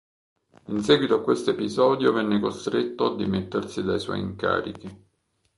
In seguito a questo episodio venne costretto a dimettersi dai suoi incarichi.